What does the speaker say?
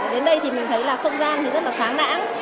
đến đây thì mình thấy là không gian thì rất là thoáng đẳng